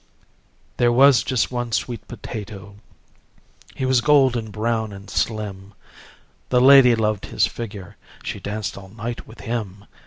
"There was just one sweet potato. He was golden brown and slim: The lady loved his figure. She danced all night with him.